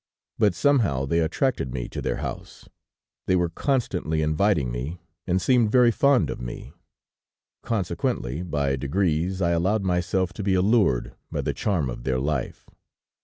But somehow they attracted me to their house; they were constantly inviting me, and seemed very fond of me. Consequently, by degrees I allowed myself to be allured by the charm of their life.